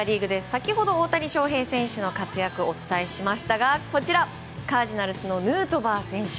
先ほど大谷翔平選手の活躍をお伝えしましたがこちらカージナルスのヌートバー選手。